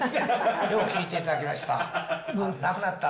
よう聞いていただきました。